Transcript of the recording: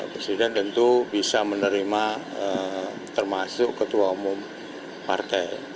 presiden tentu bisa menerima termasuk ketua umum partai